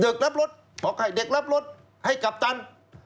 กลับรถบอกให้เด็กรับรถให้กัปตัน